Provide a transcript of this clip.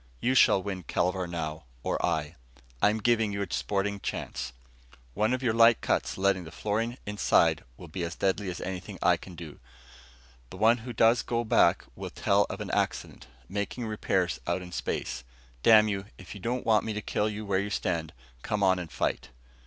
You shall win Kelvar now, or I. I'm giving you a sporting chance. One of your light cuts letting the fluorine inside will be as deadly as anything I can do. The one who goes back will tell of an accident, making repairs out in space. Damn you, if you don't want me to kill you where you stand, come on and fight."